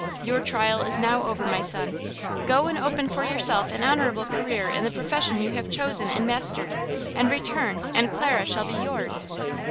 Your trial is now over, my son! Go and open for yourself an honorable career in the profession you have chosen and mastered, and return, and Clara shall be yours!"